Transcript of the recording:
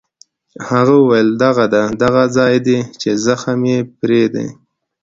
هغه وویل: دغه ده، دغه ځای دی چې زخم یې پرې دی.